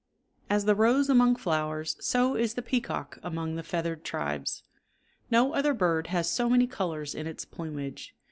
As the rose among flowers, so is the peacock among the feathered tribes. No other bird has so many colors in its plumage.